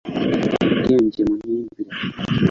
ubwenge muhimbire